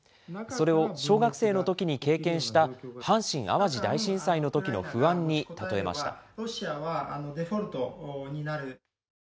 それを小学生のときに経験した阪神・淡路大震災のときの不安に例えました。